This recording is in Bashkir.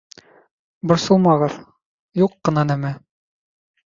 — Борсолмағыҙ. Юҡ ҡына нәмә.